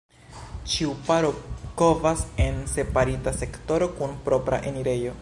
Ĉiu paro kovas en separita sektoro kun propra enirejo.